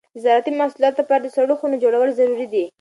د زراعتي محصولاتو لپاره د سړو خونو جوړول ضروري دي.